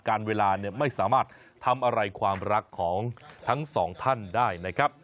เวลาเนี่ยไม่สามารถทำอะไรความรักของทั้งสองท่านได้นะครับ